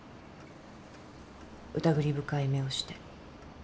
疑り深い目をして。